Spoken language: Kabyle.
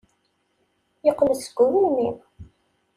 Yeqqel-d seg ugelmim.